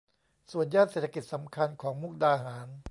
ส่วนย่านเศรษฐกิจสำคัญของมุกดาหาร